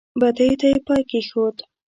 بدیو ته یې پای کېښود.